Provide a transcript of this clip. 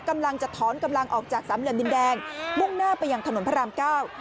กำลังจะถอนกำลังออกจากสามเหลี่ยมดินแดงมุ่งหน้าไปยังถนนพระรามเก้า